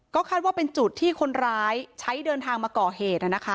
ก็คาดว่าเป็นจุดที่คนร้ายใช้เดินทางมาก่อเหตุ